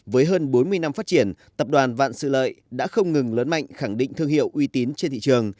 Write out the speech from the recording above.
với hơn bốn mươi năm phát triển tập đoàn vạn sự lợi đã không ngừng lớn mạnh khẳng định thương hiệu uy tín trên thị trường